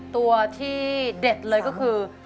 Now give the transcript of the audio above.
ตัวที่เด็ดเลยก็คือ